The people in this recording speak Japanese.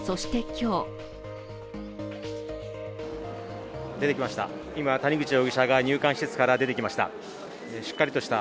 今、谷口容疑者が入管施設から出てきました。